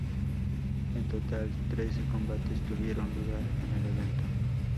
En total trece combates tuvieron lugar en el evento.